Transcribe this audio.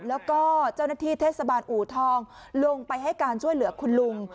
แล้วก็เจ้าหน้าที่เทศบาลอูทองลงไปให้การช่วยเหลือคุณลุง